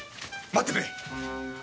待ってくれ。